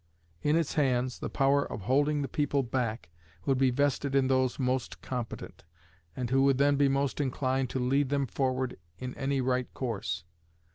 In its hands, the power of holding the people back would be vested in those most competent, and who would then be most inclined to lead them forward in any right course.